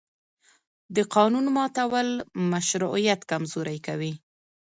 د قانون ماتول مشروعیت کمزوری کوي